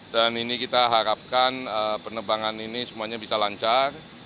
dan ini kita harapkan penerbangan ini semuanya bisa lancar